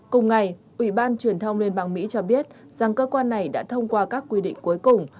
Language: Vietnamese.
cùng ngày ủy ban truyền thông liên bang mỹ cho biết rằng cơ quan này đã thông qua các quy định cuối cùng